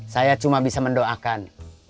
saya cuma bisa mendoakan